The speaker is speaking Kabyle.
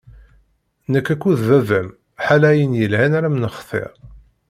Nekk akked baba-m ḥala ayen yelhan ara m-nextir.